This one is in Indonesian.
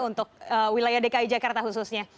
untuk wilayah dki jakarta khususnya